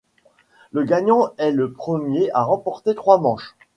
Le gagnant est le premier à remporter trois manches.